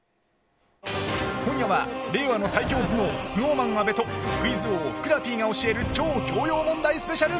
今夜は令和の最強頭脳ＳｎｏｗＭａｎ阿部とクイズ王ふくらＰが教える超教養問題スペシャル。